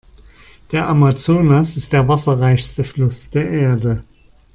Der Amazonas ist der Wasserreichste Fluss der Erde.